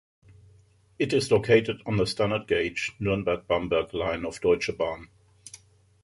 It is located on the standard gauge Nuremberg–Bamberg line of Deutsche Bahn.